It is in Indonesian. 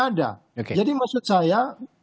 ada jadi maksud saya